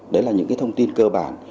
đó là những thông tin cơ bản